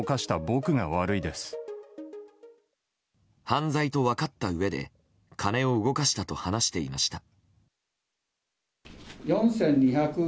犯罪と分かったうえで金を動かしたと話していました。